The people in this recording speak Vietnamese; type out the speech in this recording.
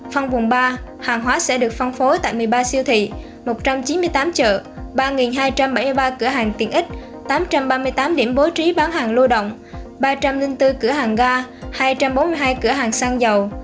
phân vùng ba hàng hóa sẽ được phân phối tại một mươi ba siêu thị một trăm chín mươi tám chợ ba hai trăm bảy mươi ba cửa hàng tiện ích tám trăm ba mươi tám điểm bố trí bán hàng lưu động ba trăm linh bốn cửa hàng ga hai trăm bốn mươi hai cửa hàng xăng dầu